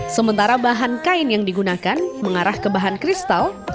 sementara bahan kain yang digunakan mengarah ke bahan kristal